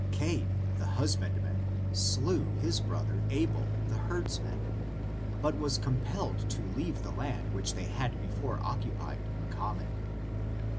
Cain, the hus bandman, slew his brother Abel, the herdsman, but was compelled to leave the land which they had before occupied in common.